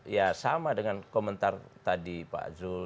ya sama dengan komentar tadi pak zul